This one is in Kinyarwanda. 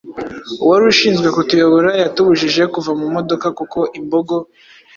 Uwari ushinzwe kutuyobora yatubujije kuva mu modoka kuko imbogo